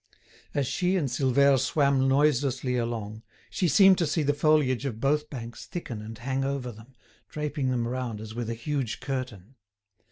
As she and Silvère swam noiselessly along, she seemed to see the foliage of both banks thicken and hang over them, draping them round as with a huge curtain.